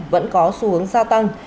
vẫn có xu hướng gia tăng